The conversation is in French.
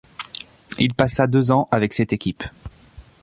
Il passa deux ans avec cette équipe.